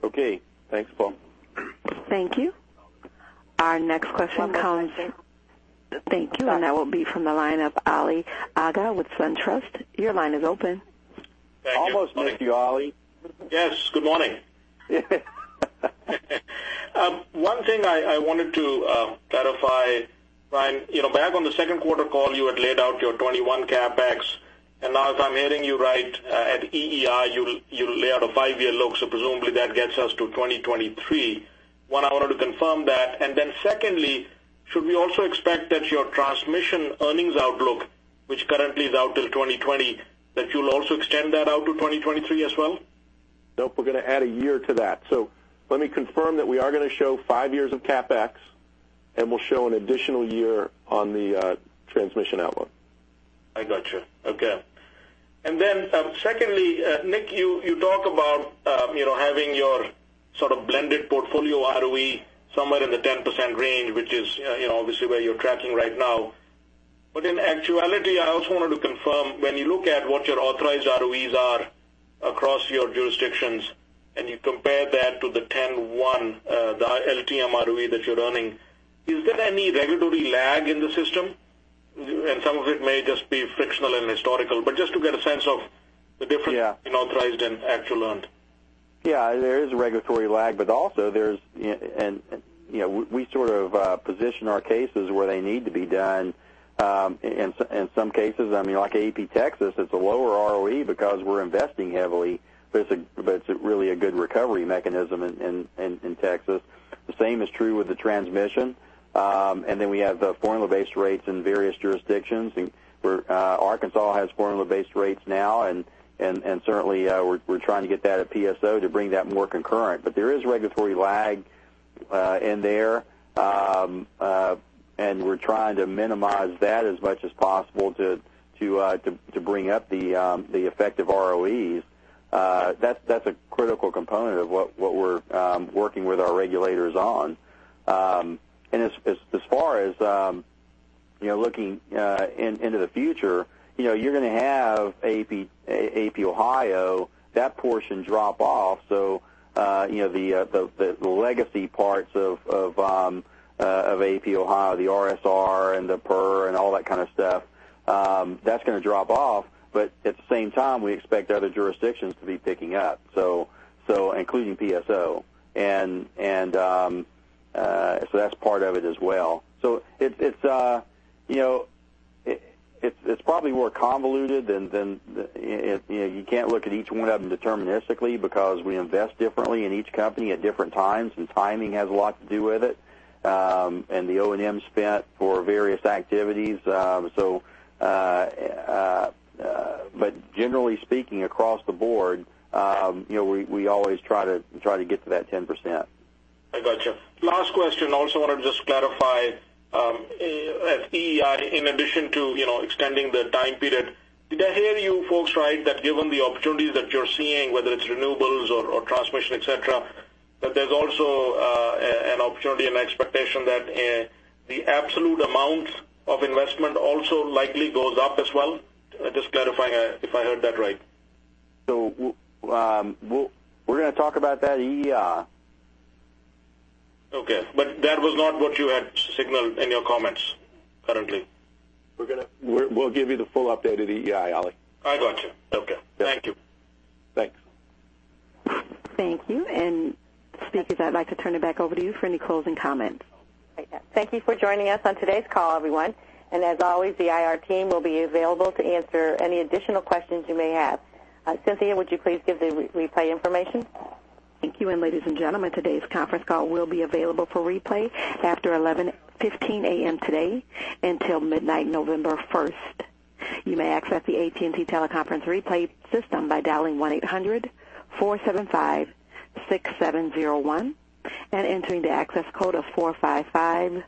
Okay. Thanks, Paul. Thank you. Our next question. One moment, thank you. Thank you, that will be from the line of Ali Agha with SunTrust. Your line is open. Almost Nick. Thank you, Ali. Yes, good morning. One thing I wanted to clarify, Brian. Back on the second quarter call, you had laid out your 2021 CapEx, and now if I'm hearing you right, at EEI, you'll lay out a five-year look. Presumably, that gets us to 2023. One, I wanted to confirm that. Secondly, should we also expect that your transmission earnings outlook, which currently is out till 2020, that you'll also extend that out to 2023 as well? Nope, we're going to add a year to that. Let me confirm that we are going to show five years of CapEx, and we'll show an additional year on the transmission outlook. I gotcha. Okay. Secondly, Nick, you talk about having your sort of blended portfolio ROE somewhere in the 10% range, which is obviously where you're tracking right now. In actuality, I also wanted to confirm, when you look at what your authorized ROEs are across your jurisdictions, and you compare that to the 10.1, the LTM ROE that you're earning, is there any regulatory lag in the system? Some of it may just be fictional and historical, but just to get a sense of the difference. Yeah in authorized and actual earned. There is a regulatory lag, but also we sort of position our cases where they need to be done. In some cases, like AEP Texas, it's a lower ROE because we're investing heavily, but it's really a good recovery mechanism in Texas. The same is true with the transmission. We have the formula-based rates in various jurisdictions. Arkansas has formula-based rates now, certainly, we're trying to get that at PSO to bring that more concurrent. There is regulatory lag in there. We're trying to minimize that as much as possible to bring up the effective ROEs. That's a critical component of what we're working with our regulators on. As far as looking into the future, you're going to have AEP Ohio, that portion drop off. The legacy parts of AEP Ohio, the RSR and the PIRR and all that kind of stuff, that's going to drop off. At the same time, we expect other jurisdictions to be picking up, including PSO. That's part of it as well. It's probably more convoluted than you can't look at each one of them deterministically because we invest differently in each company at different times, and timing has a lot to do with it. The O&M spent for various activities. Generally speaking, across the board, we always try to get to that 10%. I gotcha. Last question. I also want to just clarify. At EEI, in addition to extending the time period, did I hear you folks right that given the opportunities that you're seeing, whether it's renewables or transmission, et cetera, that there's also an opportunity and an expectation that the absolute amount of investment also likely goes up as well? Just clarifying if I heard that right. We're going to talk about that at EEI. Okay. That was not what you had signaled in your comments currently. We'll give you the full update at EEI, Ali. I gotcha. Okay. Thank you. Thanks. Thank you. Speakers, I'd like to turn it back over to you for any closing comments. Thank you for joining us on today's call, everyone. As always, the IR team will be available to answer any additional questions you may have. Cynthia, would you please give the replay information? Thank you. Ladies and gentlemen, today's conference call will be available for replay after 11:15 A.M. today until midnight November 1st. You may access the AT&T teleconference replay system by dialing 1-800-475-6701 and entering the access code of 455